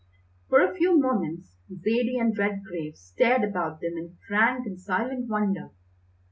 For a few moments Zaidie and Redgrave stared about them in frank and silent wonder.